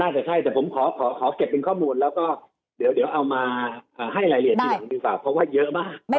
น่าจะใช่แต่ผมขอเก็บเป็นข้อมูลแล้วก็เดี๋ยวเอามาให้รายละเอียดที่หลังดูฝาก